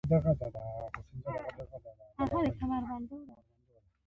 چین په نوې انرژۍ کې لوی دی.